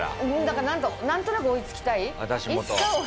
だからなんとなく追いつきたい。